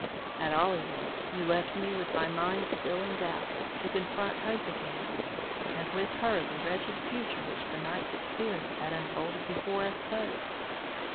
At all events you left me with my mind still in doubt, to confront Hope again, and with her the wretched future which the night's experience had unfolded before us both.